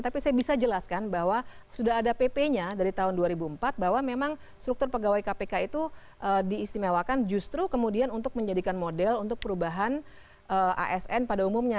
tapi saya bisa jelaskan bahwa sudah ada pp nya dari tahun dua ribu empat bahwa memang struktur pegawai kpk itu diistimewakan justru kemudian untuk menjadikan model untuk perubahan asn pada umumnya